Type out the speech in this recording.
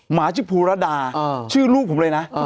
หมาชื่อภูระดาชื่อลูกผมเลยนะ